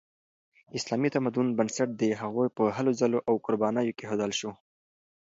د اسلامي تمدن بنسټ د هغوی په هلو ځلو او قربانیو کیښودل شو.